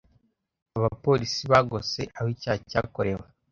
Abapolisi bagose aho icyaha cyakorewe.